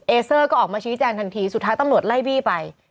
เซอร์ก็ออกมาชี้แจงทันทีสุดท้ายตำรวจไล่บี้ไป